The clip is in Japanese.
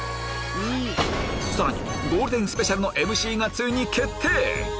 さらにゴールデンスペシャルのＭＣがついに決定！